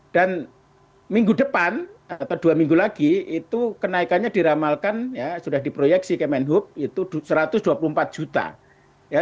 dan minggu depan atau dua minggu lagi itu kenaikannya diramalkan ya sudah diproyeksi kemen hub itu satu ratus dua puluh empat juta